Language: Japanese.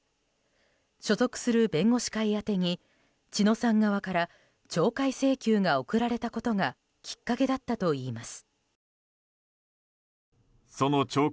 所属する弁護士会宛てに知乃さん側から懲戒請求が送られたことがきっかけだったといいます。